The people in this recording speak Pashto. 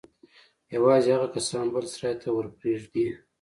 يوازې هغه کسان بل سراى ته ورپرېږدي.